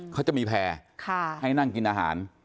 เขาจะมีแพร่ให้นั่งกินอาหาร